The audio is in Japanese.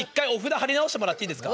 貼り直してもらっていいですか？